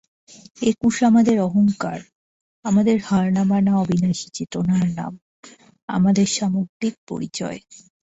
একুশ আমাদের অহংকার, আমাদের হার না-মানা অবিনাশী চেতনার নাম, আমাদের সামগ্রিক পরিচয়।